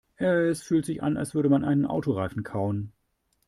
Es fühlt sich an, als würde man einen Autoreifen kauen.